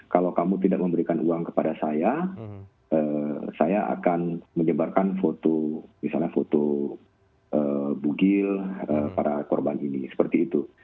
kalau kamu tidak memberikan uang kepada saya saya akan menyebarkan foto misalnya foto bugil para korban ini seperti itu